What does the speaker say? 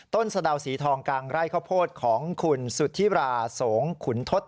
สะดาวสีทองกลางไร่ข้าวโพดของคุณสุธิราสงขุนทศ